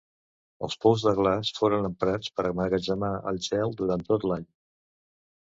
Els pous de glaç foren emprats per emmagatzemar el gel durant tot l'any.